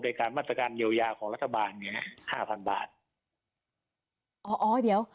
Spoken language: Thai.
โดยการมาตรการเยียวยาของรัฐบาลเนี่ยนะห้าพันบาทอ๋ออ๋อเดี๋ยว